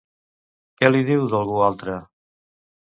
Què li diu d'algú altre?